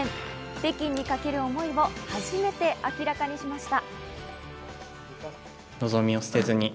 北京にかける思いを初めて明らかにしました。